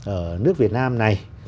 ở nước việt nam này